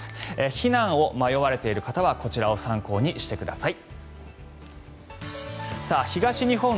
避難を迷われている方はこちらを参考にしてください。